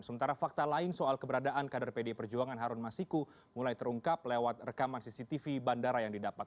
sementara fakta lain soal keberadaan kader pdi perjuangan harun masiku mulai terungkap lewat rekaman cctv bandara yang didapat